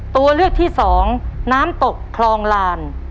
ตัวเลือกที่สองน้ำตกคลองลาน